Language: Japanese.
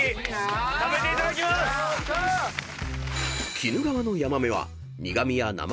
［鬼怒川のヤマメは］